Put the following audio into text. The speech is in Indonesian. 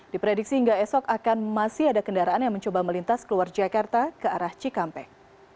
diprediksi hingga esok akan masih ada kendaraan yang mencoba melintas keluar jakarta ke arah cikampek